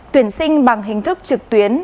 tuyển sinh bằng hình thức trực tuyến